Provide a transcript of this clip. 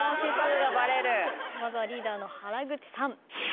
まずはリーダーの原口さん。